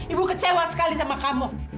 ibu kecewa sekali sama kamu